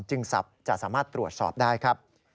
จะสามารถตรวจสอบได้ครับ